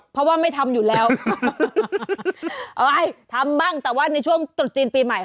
เพราะว่าไม่ทำอยู่แล้วเอ้ยทำบ้างแต่ว่าในช่วงตรุษจีนปีใหม่